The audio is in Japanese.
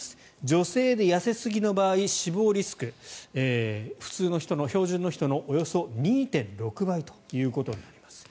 女性で痩せすぎの場合死亡リスク普通の人の標準の人のおよそ２．６倍となります。